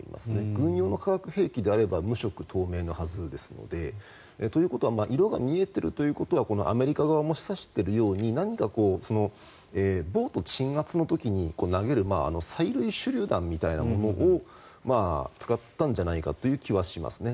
軍用の化学兵器であれば無色透明のはずですのでということは色が見えているということはアメリカ側も示唆しているように何かこう、暴徒鎮圧の時に投げる催涙手りゅう弾みたいなものを使ったんじゃないかという気はしますね。